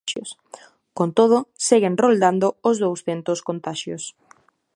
Con todo, seguen roldando os douscentos contaxios.